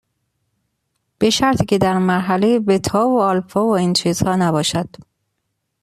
به شرطی که در مرحله بتا و آلفا و این چیزها نباشد.